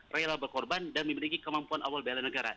raya yang berkorban dan memiliki kemampuan awal bela negara